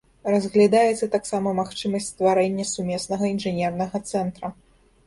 Разглядаецца таксама магчымасць стварэння сумеснага інжынернага цэнтра.